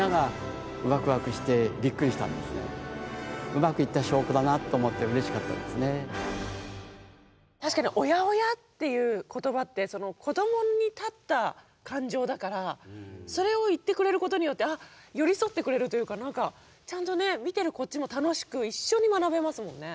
うまくいった証拠だなと思って確かに「おやおや」っていう言葉って子どもに立った感情だからそれを言ってくれることによってあっ寄り添ってくれるというか何かちゃんとね見てるこっちも楽しく一緒に学べますもんね。